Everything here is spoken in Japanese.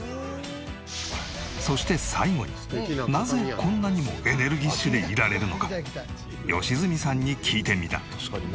そして最後になぜこんなにもエネルギッシュでいられるのか良純さんに聞いてみた。